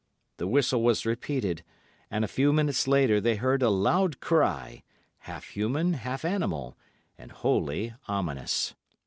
The whistle was repeated, and a few minutes later they heard a loud cry, half human, half animal, and wholly ominous.